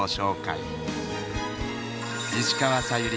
石川さゆり